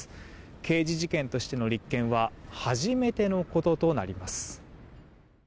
刑事事件としての立件は初めてのこととなります。